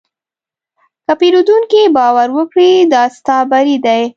که پیرودونکی باور وکړي، دا ستا بری دی.